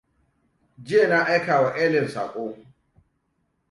Jiya na aika wa Ellen saƙo.